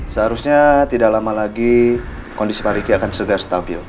seharusnya tidak lama lagi kondisi pariki akan segera stabil